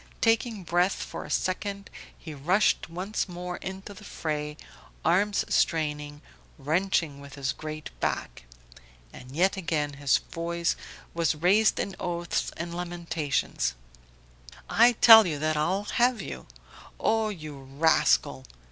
Taking breath for a second he rushed once more into the fray, arms straining, wrenching with his great back. And yet again his voice was raised in oaths and lamentations: "I tell you that I'll have you ... Oh you rascal!